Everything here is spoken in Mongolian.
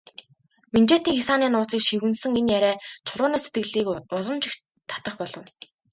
Минжээтийн хясааны нууцыг шивгэнэсэн энэ яриа Чулууны сэтгэлийг улам ч их татах болов.